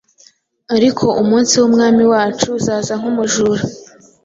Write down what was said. Ariko umunsi w’Umwami wacu uzaza nk’umujura,